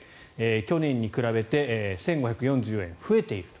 去年に比べて１５４４円増えていると。